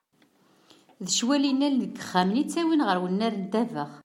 D ccwal yellan deg yexxamen i ttawin ɣer wennar n ddabex.